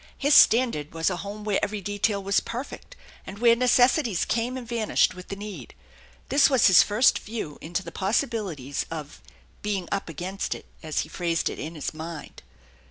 His standard was a home where every detail was perfect, and where necessitiea came and vanished with the need. This was his first view into the possibilities of " being up against it," as he phrased it in his mind.